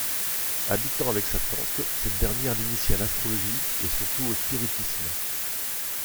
Habitant avec sa tante, cette dernière l'initie à l'Astrologie et surtout au Spiritisme.